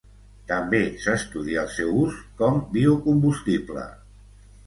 També s'estudia el seu ús com biocombustible.